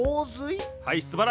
はいすばらしい。